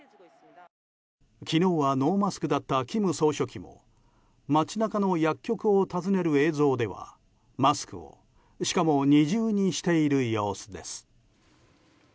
昨日はノーマスクだった金総書記も街中の薬局を訪ねる映像ではマスクを、しかも二重にしている様子です。